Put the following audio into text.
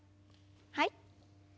はい。